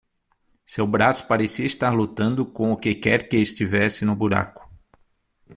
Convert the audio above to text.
Seu braço parecia estar lutando com o que quer que estivesse no buraco.